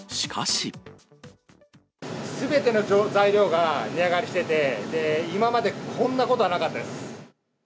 すべての材料が値上がりしてて、今までこんなことはなかったです。